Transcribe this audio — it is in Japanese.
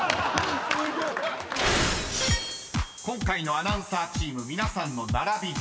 ［今回のアナウンサーチーム皆さんの並び順